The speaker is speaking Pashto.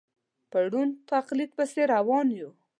په ړوند تقلید پسې روان یو.